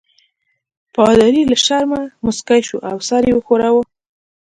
پادري له شرمه مسکی شو او سر یې وښوراوه.